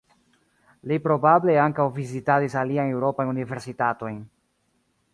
Li probable ankaŭ vizitadis aliajn eŭropajn universitatojn.